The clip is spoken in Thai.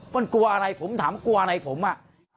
มันกลัวอะไรผมถามกลัวอะไรผมอ่ะ